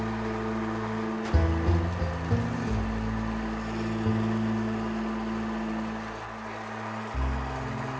masih mau bertahan di sini